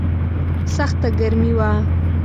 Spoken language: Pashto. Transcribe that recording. سخته ګرمي وه.